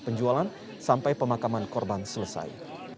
penjualan sampai pemakaman korban selesai